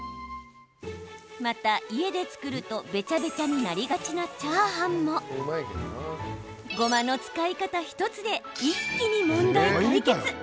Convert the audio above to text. また、家で作るとべちゃべちゃになりがちなチャーハンもごまの使い方１つで一気に問題解決。